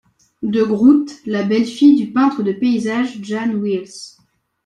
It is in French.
De Groot, la belle-fille du peintre de paysage Jan Wils.